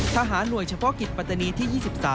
ทหารหน่วยเฉพาะกิจปัตตานีที่๒๓